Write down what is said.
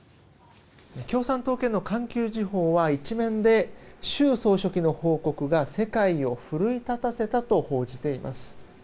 共産党系の環球時報は１面で習総書記の報告が世界を奮い立たせたと報じています。